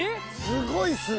すごいっすね！